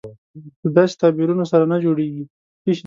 له داسې تعبیرونو سره نه جوړېږي.